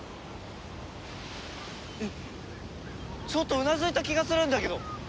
えっちょっとうなずいた気がするんだけど！